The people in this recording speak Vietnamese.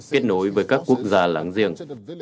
kết nối với các quốc gia láng giềng